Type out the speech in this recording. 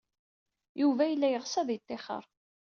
Yuba yella yeɣs ad yettixer.